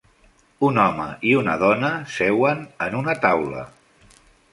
Un home i una dona seuen en una taula